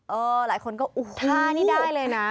เออหลายคนก็อู้โฮ